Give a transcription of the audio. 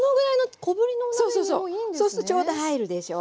そうするとちょうど入るでしょ。